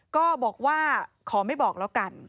ก็บอกว่าขอไม่บอกแล้วกัน